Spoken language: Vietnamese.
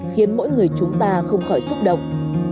khiến mỗi người chúng ta không khỏi xúc động